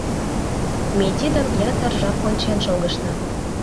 Ме тидым ятыр жап ончен шогышна.